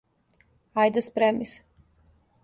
Ајде, спреми се.